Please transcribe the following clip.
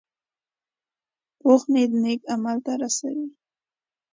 پوخ نیت نیک عمل ته رسوي